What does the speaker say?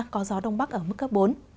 có gió đông bắc ở mức cấp bốn